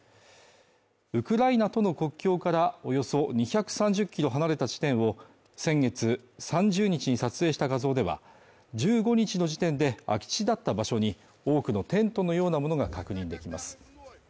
ウクライナとの国境からおよそ２３０キロ離れた地点を先月３０日に撮影した画像では、１５日の時点で、空き地だった場所に多くのテントのようなものが確認できます。